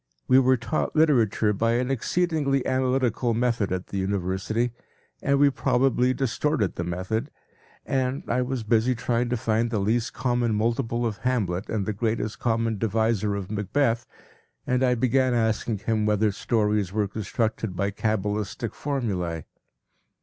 We were taught literature by an exceedingly analytical method at the University, and we probably distorted the method, and I was busy trying to find the least common multiple of Hamlet and the greatest common divisor of Macbeth, and I began asking him whether stories were constructed by cabalistic formulae.